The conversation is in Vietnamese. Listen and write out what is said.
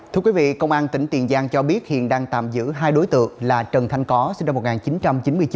thưa quý vị công an tỉnh tiền giang cho biết hiện đang tạm giữ hai đối tượng là trần thanh có sinh năm một nghìn chín trăm chín mươi chín